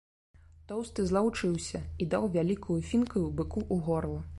Тоўсты злаўчыўся і даў вялікаю фінкаю быку ў горла.